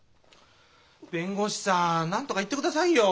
弁護士さん何とか言ってくださいよ。